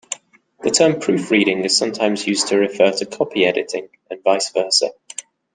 The term "proofreading" is sometimes used to refer to copy-editing, and vice versa.